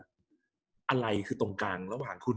กับการสตรีมเมอร์หรือการทำอะไรอย่างเงี้ย